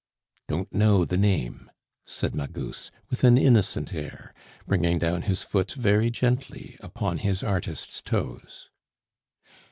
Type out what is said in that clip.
"Don't know the name," said Magus, with an innocent air, bringing down his foot very gently upon his artist's toes.